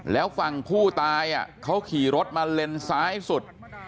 แล้วฝั่งผู้ตายเขาขี่รถมาเลนซ้ายสุด